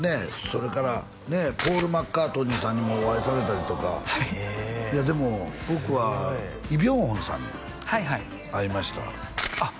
それからねポール・マッカートニーさんにもお会いされたりとかでも僕はイ・ビョンホンさんに会いましたあっ